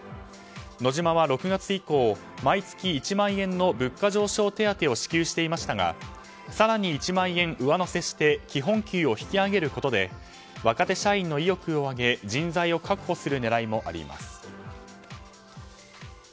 ノジマは６月以降、毎月１万円の物価上昇手当を支給していましたが更に１万円上乗せして基本給を引き上げることで若手社員の意欲を上げ人材を確保する狙いもあります。